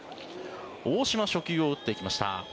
大島、初球を打っていきました。